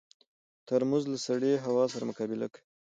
ترموز له سړې هوا سره مقابله کوي.